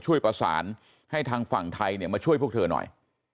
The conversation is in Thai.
ช่วยประสานให้ทางฝั่งไทยมาช่วยพวกเธอหน่อย